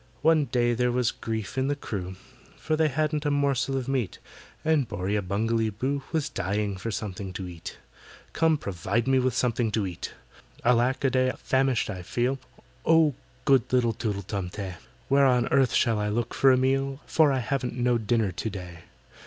One day there was grief in the crew, For they hadn't a morsel of meat, And BORRIA BUNGALEE BOO Was dying for something to eat— "Come, provide me with something to eat! "ALACK A DEY, famished I feel; Oh, good little TOOTLE TUM TEH, Where on earth shall I look for a meal? For I haven't no dinner to day!